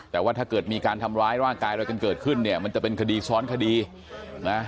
แต่ว่าถ้าเกิดมีการทำร้ายร่างกายอะไรกันเกิดขึ้นเนี่ยมันจะเป็นคดีซ้อนคดีนะ